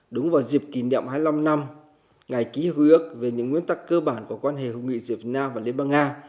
đúng vào dịp kỷ niệm hai mươi năm năm ngày ký hữu ước về những nguyên tắc cơ bản của quan hệ hữu nghị giữa việt nam và liên bang nga